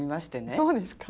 そうですか。